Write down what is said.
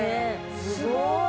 ◆すごーい。